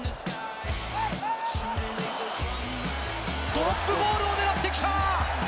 ドロップゴールを狙ってきた！